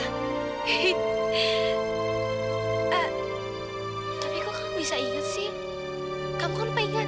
ah tapi kok gak bisa inget sih kamu pun pengen kan